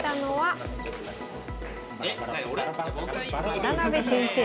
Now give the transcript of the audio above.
渡辺先生。